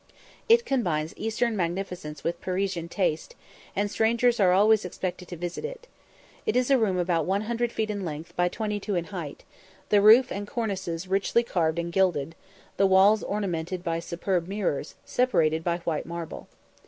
It combines Eastern magnificence with Parisian taste, and strangers are always expected to visit it. It is a room about 100 ft. in length, by 22 in height; the roof and cornices richly carved and gilded, the walls ornamented by superb mirrors, separated by white marble.